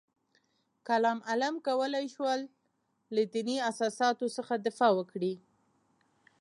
کلام علم کولای شول له دیني اساساتو څخه دفاع وکړي.